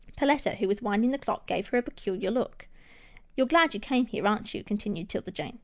Perletta, who was winding the clock, gave her a peculiar look. " You're glad you came here, aren't you? " con tinued 'Tilda Jane.